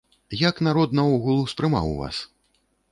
Як народ наогул успрымаў вас?